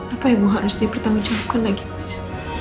apa yang mau harus dipertanggungjawabkan lagi mas